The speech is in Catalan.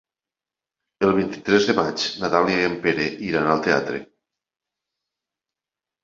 El vint-i-tres de maig na Dàlia i en Pere iran al teatre.